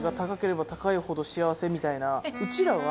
うちらは。